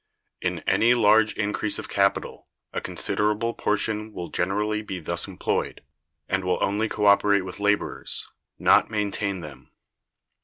In any large increase of capital a considerable portion will generally be thus employed, and will only co operate with laborers, not maintain them.